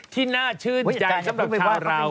ที่น่าชื่นใจสำหรับข่าวเรา